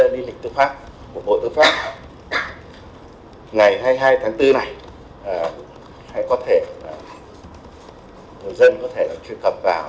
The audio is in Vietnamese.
lý lịch tư pháp của bộ tư pháp ngày hai mươi hai tháng bốn này hay có thể người dân có thể truy cập vào